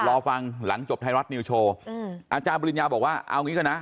รอฟังหลังจบไทยรัฐนิวโชว์อาจารย์ปริญญาบอกว่าเอางี้ก่อนนะ